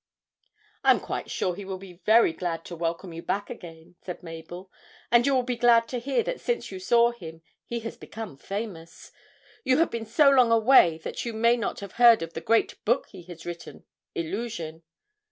'I am quite sure he will be very glad to welcome you back again,' said Mabel, 'and you will be glad to hear that since you saw him he has become famous. You have been so long away that you may not have heard of the great book he has written, "Illusion."'